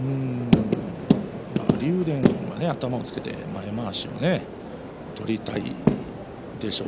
竜電、頭をつけて前まわしを取りたいでしょう。